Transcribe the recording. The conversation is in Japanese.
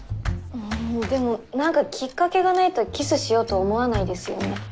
うんでもなんかきっかけがないとキスしようと思わないですよね？